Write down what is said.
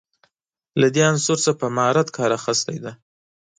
له دې عنصر څخه په مهارت کار اخیستی دی.